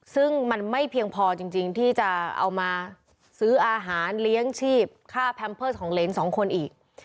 ซึ่งมันไม่เพียงพอจริงที่จะเอามาซื้ออาหารเลี้ยงชีพค่าแพมเพิร์สของเหรนสองคนอีก